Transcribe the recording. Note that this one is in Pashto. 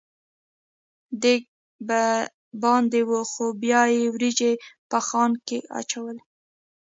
دېګ به باندې و خو بیا یې وریجې په خانک کې اچولې.